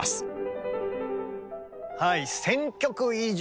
１，０００曲以上。